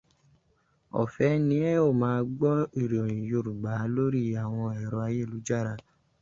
Ọ̀fẹ́ ni ẹ o máa gbọ́ ìròyìn Yorùbá lórí àwọn ẹ̀rọ ayélujára.